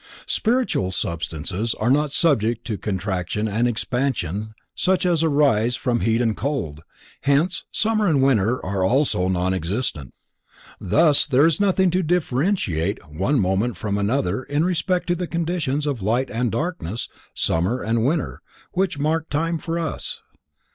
Spiritual substances are not subject to contraction and expansion such as arise here from heat and cold, hence summer and winter are also non existent. Thus there is nothing to differentiate one moment from another in respect of the conditions of light and darkness, summer and winter, which mark time for us.